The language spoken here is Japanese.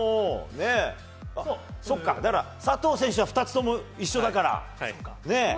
佐藤選手は２つとも一緒だから。